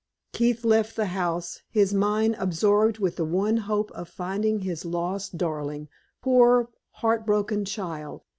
Keith left the house, his mind absorbed with the one hope of finding his lost darling, poor, heart broken child!